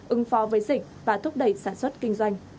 ứng phó với dịch và thúc đẩy sản xuất kinh doanh